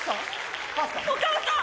お母さん！